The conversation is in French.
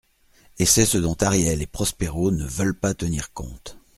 Et c'est ce dont Ariel et Prospero ne veulent pas tenir compte.